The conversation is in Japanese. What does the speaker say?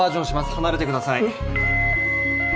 離れてください。